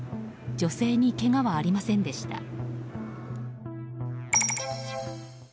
女性にけがはありませんでした。